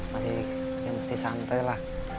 masih santai lah